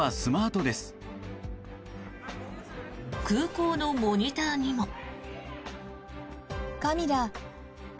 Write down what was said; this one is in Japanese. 空港のモニターにも。